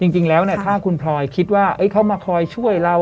จริงแล้วถ้าคุณพลอยคิดว่าเขามาคอยช่วยเรา